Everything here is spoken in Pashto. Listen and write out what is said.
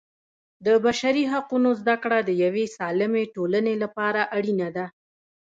د بشري حقونو زده کړه د یوې سالمې ټولنې لپاره اړینه ده.